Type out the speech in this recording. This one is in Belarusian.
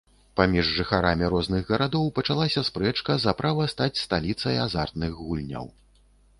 Паміж жыхарамі розных гарадоў пачалася спрэчка за права стаць сталіцай азартных гульняў.